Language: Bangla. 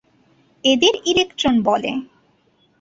এদের ইলেকট্রন বলে।